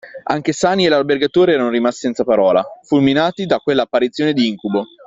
Anche Sani e l’albergatore erano rimasti senza parola, fulminati da quella apparizione di incubo.